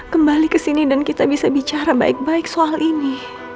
kembali ke sini dan kita bisa bicara baik baik soal ini